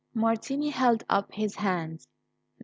Martini held up his hands.